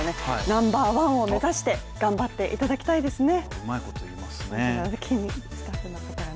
ナンバー「ワン」を目指して、頑張っていただきたいですね。